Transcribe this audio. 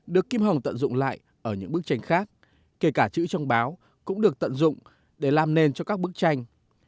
được kim hồng tận dụng lại ở những bức tranh khác kể cả chữ trong báo cũng được tận dụng để làm nền cho các bức tranh